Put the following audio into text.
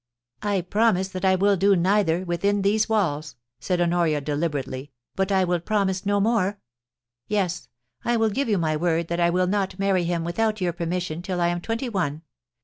*I promise that I will do neither — within these walls,' said Honoria, deliberately, *but I will promise no more. Yes — I will give you my word that I will not marry him without your permission till I am twenty one.